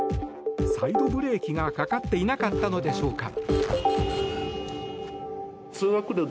サイドブレーキが、かかっていなかったのでしょうか？